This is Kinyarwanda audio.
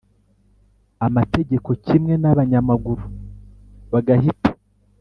Amategeko kimwe n abanyamaguru bagahita